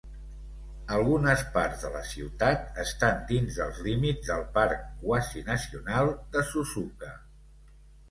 Algunes parts de la ciutat estan dins dels límits del parc quasinacional de Suzuka.